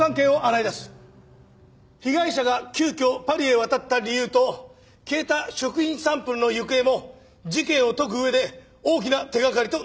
被害者が急きょパリへ渡った理由と消えた食品サンプルの行方も事件を解く上で大きな手掛かりとなる。